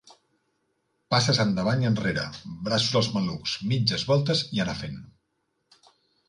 Passes endavant i enrere, braços als malucs, mitges voltes i anar fent.